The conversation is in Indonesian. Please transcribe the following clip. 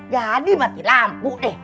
jadi mati lampu